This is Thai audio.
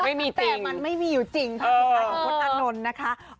ไม่มีแต่มันไม่มีอยู่จริงภาพสุดท้ายของพจน์อานนท์นะคะ